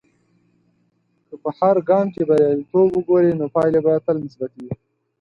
که په هر ګام کې بریالیتوب وګورې، نو پایلې به تل مثبتي وي.